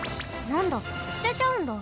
なんだすてちゃうんだ。